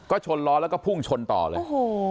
ก็ชนล้อแล้วก็พุ่งชนต่อเลย